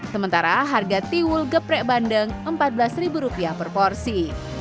sementara harga tiwul geprek bandeng rp empat belas per porsi